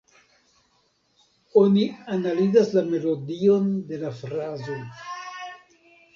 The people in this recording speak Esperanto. Oni analizas la melodion de la frazo.